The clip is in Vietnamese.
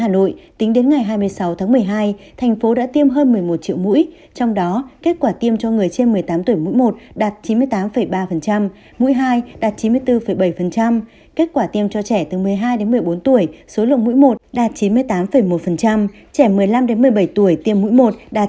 bộ đã tiêm hơn một mươi một triệu mũi trong đó kết quả tiêm cho người trên một mươi tám tuổi mũi một đạt chín mươi tám ba mũi hai đạt chín mươi bốn bảy kết quả tiêm cho trẻ từ một mươi hai một mươi bốn tuổi số lượng mũi một đạt chín mươi tám một trẻ một mươi năm một mươi bảy tuổi tiêm mũi một đạt chín mươi chín hai